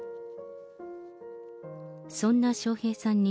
そんな笑瓶さんに、